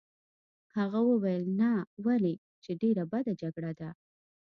هغه وویل: ناولې! چې ډېره بده جګړه ده.